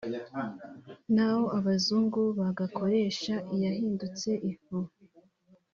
naho abazungu bagakoresha iyahindutse ifu